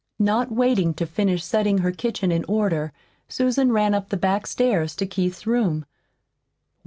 Not waiting to finish setting her kitchen in order, Susan ran up the back stairs to Keith's room.